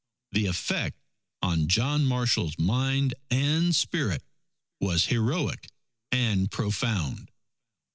The effect on John Marshall's mind and spirit was heroic and profound.